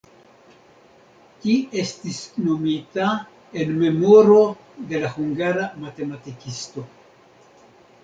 Ĝi estis nomita en memoro de la hungara matematikisto.